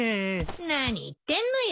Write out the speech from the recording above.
何言ってんのよ。